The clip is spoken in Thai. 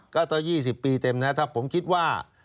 ก็ถ้า๒๐ปีเต็มนะถ้าผมคิดว่า